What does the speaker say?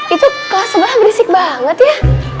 itu kelas sebelah berisik banget ya